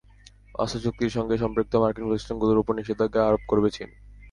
অস্ত্র চুক্তির সঙ্গে সম্পৃক্ত মার্কিন প্রতিষ্ঠানগুলোর ওপর নিষেধাজ্ঞা আরোপ করবে চীন।